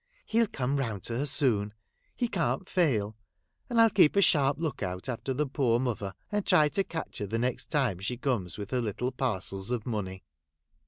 ' He'll come round to her soon ; he can't fail ; and I '11 lieep a sharp look out after the poor mother, and try and catch lier the next time she comes with her little parcels of money.'